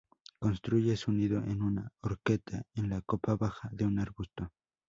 Construye su nido en un horqueta en la copa baja de un arbusto.